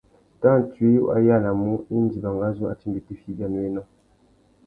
Tantsuï wa yānamú indi mangazú a timba itifiya ibianéwénô?